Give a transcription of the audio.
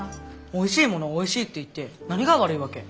おいしいものをおいしいって言って何が悪いわけ？